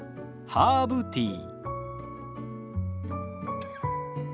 ハーブティー。